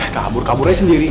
kabur kabur aja sendiri